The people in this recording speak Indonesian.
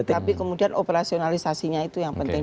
tapi kemudian operasionalisasinya itu yang penting